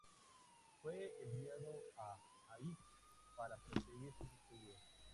Fue enviado a Aix para proseguir sus estudios.